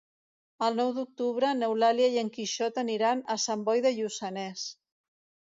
El nou d'octubre n'Eulàlia i en Quixot aniran a Sant Boi de Lluçanès.